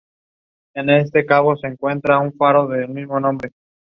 The party is ideologically on the left wing of the presidential majority.